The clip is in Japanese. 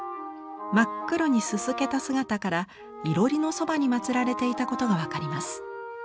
真っ黒にすすけた姿からいろりのそばに祭られていたことが分かります。